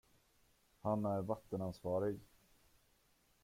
Han är vattenansvarig.